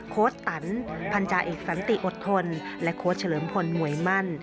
ตันพันธาเอกสันติอดทนและโค้ดเฉลิมพลมวยมั่น